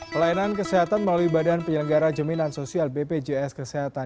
pelayanan kesehatan melalui badan penyelenggara jaminan sosial bpjs kesehatan